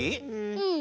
うん。